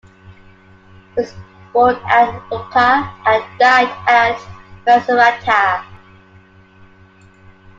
He was born at Lucca, and died at Macerata.